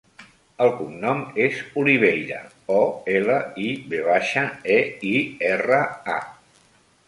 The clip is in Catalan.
El cognom és Oliveira: o, ela, i, ve baixa, e, i, erra, a.